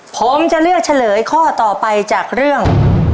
ผมจะเลือกเฉลยข้อต่อไปจากเรื่อง